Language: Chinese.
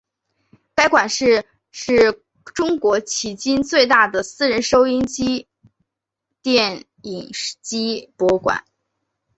该馆是是中国迄今最大的私人收音机电影机博物馆。